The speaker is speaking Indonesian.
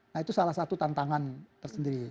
nah itu salah satu tantangan tersendiri